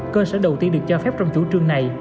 cơ sở đầu tiên được cho phép trong chủ trương này